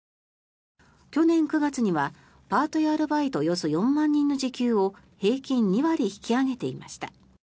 去年９月にはパートやアルバイトおよそ４万人の時給を平均２割引き上げていました。